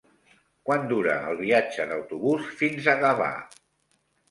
Quant dura el viatge en autobús fins a Gavà?